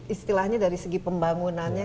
istilahnya dari segi pembangunannya